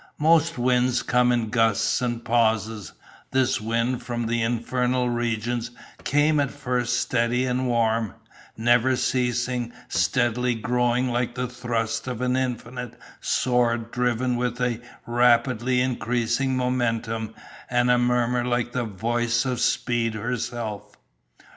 Most winds come in gusts and pauses, this wind from the Infernal Regions came at first steady and warm, never ceasing, steadily growing like the thrust of an infinite sword driven with a rapidly increasing momentum and a murmur like the voice of Speed herself.